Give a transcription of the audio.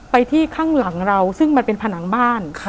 ไปที่ข้างหลังเราซึ่งมันเป็นผนังบ้าน